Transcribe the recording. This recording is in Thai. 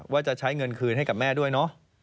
ว่าจะใช้เงินคืนให้กับแม่ด้วยเนาะ